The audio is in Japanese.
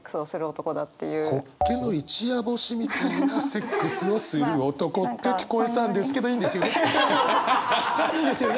ホッケの一夜干しみたいなセックスをする男って聞こえたんですけどいいんですよね？